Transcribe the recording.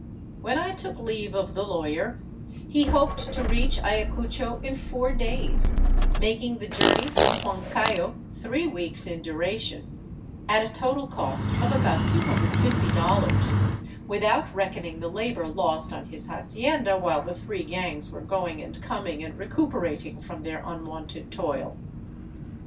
When I took leave of the lawyer, he hoped to reach Ayacucho in four days, making the journey from Huancayo three weeks in duration, at a total cost of about $250, without reckoning the labor lost on his hacienda while the three gangs were going and coming and recuperating from their unwonted toil.